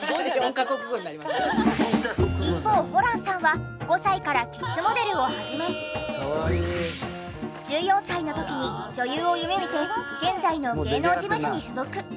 一方ホランさんは５歳からキッズモデルを始め１４歳の時に女優を夢見て現在の芸能事務所に所属。